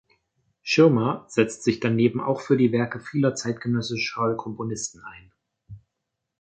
Schirmer setzt sich daneben auch für die Werke vieler zeitgenössischer Komponisten ein.